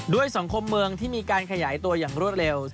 สังคมเมืองที่มีการขยายตัวอย่างรวดเร็ว